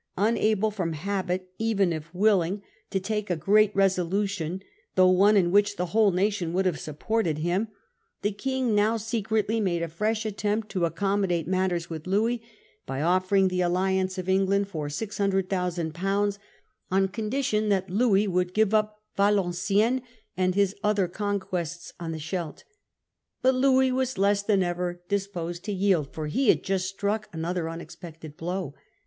Unable from habit, even if willing, to take a great resolution, though one in which the whole nation Chicanery of would have supported him, the King now Charles. secretly made a fresh attempt to accommodate matters with Louis, by offering the alliance of England for 600,000/., on condition that Louis would give up Valenciennes and his other conquests on the Scheldt. But Louis was less than ever disposed to yield, for he had just struck another unexpected blow.